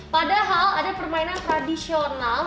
padahal ada permainan tradisional